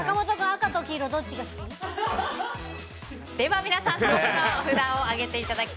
赤と黄色どっちが好き？